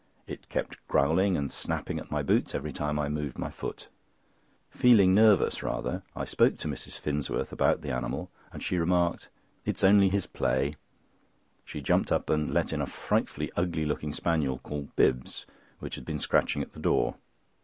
It kept growling and snapping at my boots every time I moved my foot. Feeling nervous rather, I spoke to Mrs. Finsworth about the animal, and she remarked: "It is only his play." She jumped up and let in a frightfully ugly looking spaniel called Bibbs, which had been scratching at the door.